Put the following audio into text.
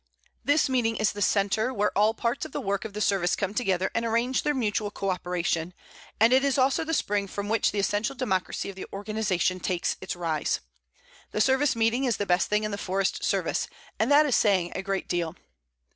This meeting is the centre where all parts of the work of the Service come together and arrange their mutual coöperation, and it is also the spring from which the essential democracy of the organization takes its rise. The Service Meeting is the best thing in the Forest Service, and that is saying a great deal.